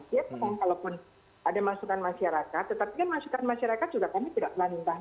siapkan kalaupun ada masukan masyarakat tetapi kan masukan masyarakat juga kami tidak melanjutkan